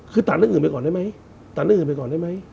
คือตัดเรื่องอื่นไปก่อนได้ไหมตัดเรื่องอื่นไปก่อนได้ไหม